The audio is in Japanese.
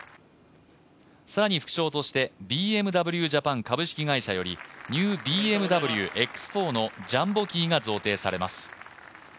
更に、副賞として、ＢＭＷジャパン株式会社よりＮＥＷＢＭＷＸ４のジャンボキ―が贈呈されます。